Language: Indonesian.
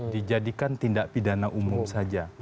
dijadikan tindak pidana umum saja